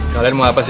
kalian mau apa sih